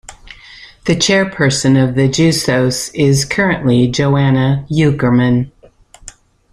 The chairperson of the Jusos is currently Johanna Uekermann.